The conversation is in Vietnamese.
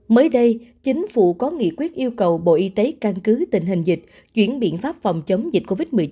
mới đây chính phủ có nghị quyết yêu cầu bộ y tế căn cứ tình hình dịch chuyển biện pháp phòng chống dịch covid một mươi chín